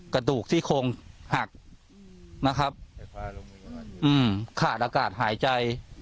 กระดูกซี่โครงหักนะครับขาดอากาศหายใจ